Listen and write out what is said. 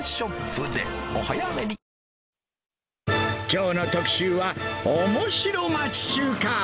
きょうの特集は、おもしろ町中華。